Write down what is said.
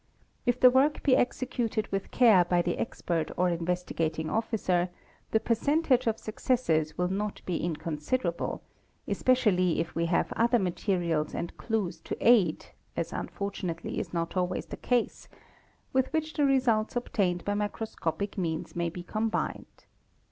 If the work be executed with care by the expert or Investigating Officer the percentage of successes will not be inconsiderable, especially if we have other materials and clues to aid, as unfortunately is not always the case, with which the results obtained by microscopic means may be combined.